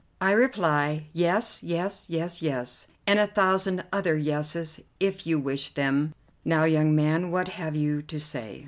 "I reply, 'Yes, yes, yes, yes,' and a thousand other yes's, if you wish them. Now, young man, what have you to say?"